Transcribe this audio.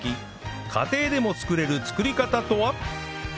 家庭でも作れる作り方とは？